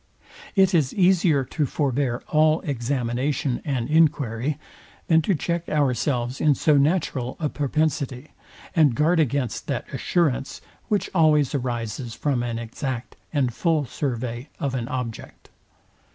It is easier to forbear all examination and enquiry, than to check ourselves in so natural a propensity, and guard against that assurance, which always arises from an exact and full survey of an object.